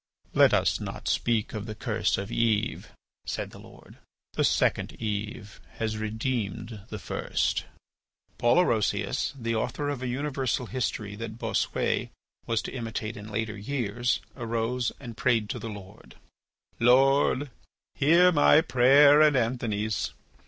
"Let us not speak of the curse of Eve," said the Lord. "The second Eve has redeemed the first." Paul Orosius, the author of a universal history that Bossuet was to imitate in later years, arose and prayed to the Lord: "Lord, hear my prayer and Anthony's.